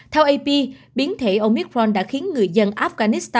theo ap biến thể omithfron đã khiến người dân afghanistan